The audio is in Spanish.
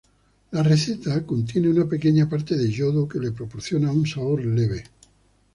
La receta contiene una pequeña parte de yodo, que le proporciona un sabor leve.